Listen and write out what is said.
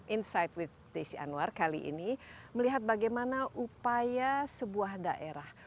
insight with desi anwar kali ini melihat bagaimana upaya sebuah daerah